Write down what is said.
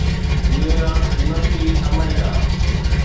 نيو York University, آمريڪا